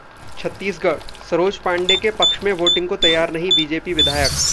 छत्तीसगढ़: सरोज पांडेय के पक्ष में वोटिंग को तैयार नहीं बीजेपी विधायक